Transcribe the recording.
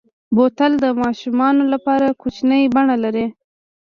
بوتل د ماشومو لپاره کوچنۍ بڼه لري.